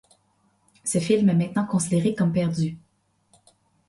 Ce film est maintenant considéré comme perdu.